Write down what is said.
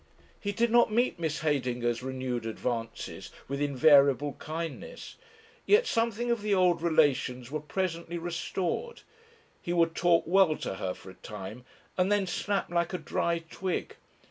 He did not meet Miss Heydinger's renewed advances with invariable kindness. Yet something of the old relations were presently restored. He would talk well to her for a time, and then snap like a dry twig.